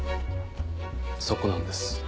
そこなんです。